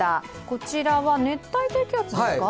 こちらは熱帯低気圧ですか？